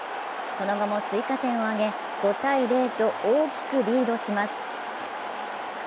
その後も追加点を挙げ、５−０と大きくリードします。